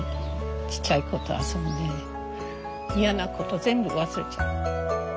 ちっちゃい子と遊んで嫌なこと全部忘れちゃう。